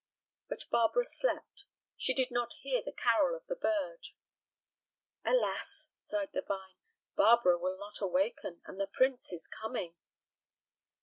But Barbara slept; she did not hear the carol of the bird. "Alas!" sighed the vine, "Barbara will not awaken, and the prince is coming."